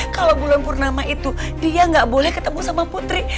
kalau bulan purnama itu dia nggak boleh ketemu sama putri